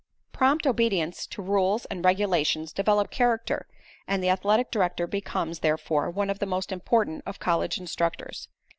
Prompt obedience to rules and regulations develop character and the athletic director becomes, therefore, one of the most important of college instructors.